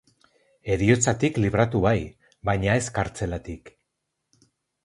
Heriotzatik libratu bai, baina ez kartzelatik.